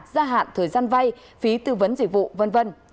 gia hạn thời gian vay phí tư vấn dịch vụ v v